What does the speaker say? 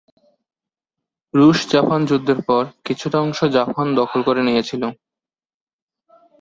রুশ-জাপান যুদ্ধের পর এর কিছুটা অংশ জাপান দখল করে নিয়েছিল।